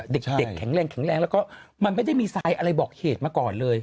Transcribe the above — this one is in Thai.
เด็กแข็งแรงแข็งแรงแล้วก็มันไม่ได้มีทรายอะไรบอกเหตุมาก่อนเลย